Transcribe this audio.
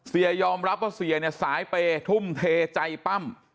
เสียยอมรับว่าเสียเนี่ยสายเปย์ทุ่มเทใจปั้ม